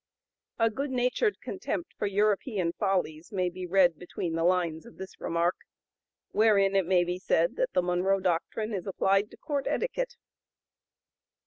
A good natured contempt for European follies may be read between the lines of this remark; wherein it may be said that the Monroe Doctrine is applied to court etiquette.